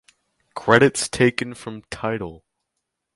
Credits taken from Tidal.